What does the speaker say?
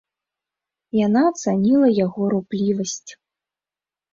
Яна ацаніла яго руплівасць.